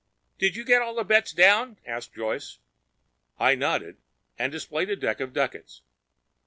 "Did you get all the bets down?" asked Joyce. I nodded and displayed a deck of ducats.